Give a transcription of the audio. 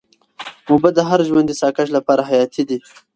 اوبه د هر ژوندي ساه کښ لپاره حیاتي دي.